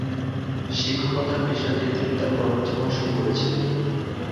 শিক্ষকতার পেশা দিয়ে তিনি তার কর্মজীবন শুরু করেছিলেন।